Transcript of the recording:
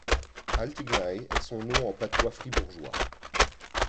Altignei est son nom en patois fribourgeois.